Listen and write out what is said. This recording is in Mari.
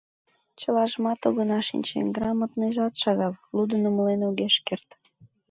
Чылажымат огына шинче, грамотныйжат шагал, лудын умылен огеш керт.